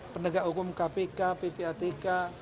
penegak hukum kpk ppatk